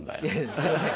すいません